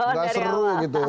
udah seru gitu